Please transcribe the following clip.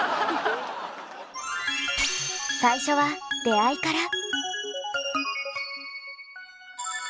最初は出会いから。